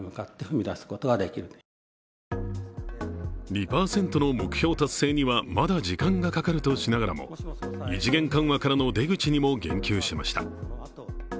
２％の目標達成にはまだ時間がかかるとしながらも異次元緩和からの出口にも言及しました。